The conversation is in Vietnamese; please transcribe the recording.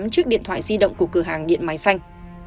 chiếc điện thoại di động của cửa hàng điện mái xanh